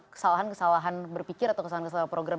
kesalahan kesalahan berpikir atau kesalahan kesalahan program